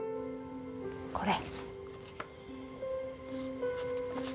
「これ」